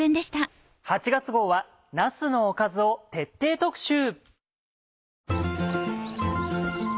８月号はなすのおかずを徹底特集。